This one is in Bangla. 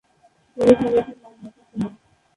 তবে শহরের নামটি একই ছিল।